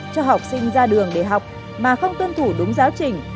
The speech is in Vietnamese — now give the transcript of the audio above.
cho học sinh ra đường để học mà không tuân thủ đúng giáo trình